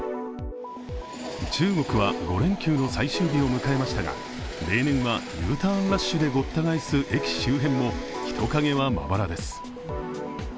中国は５連休の最終日を迎えましたが例年はＵターンラッシュでごった返す駅周辺も人影はまばらです。